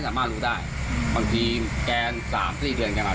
ใช่ถ้างั้นคงไม่กัดแน่ประมาณนั้น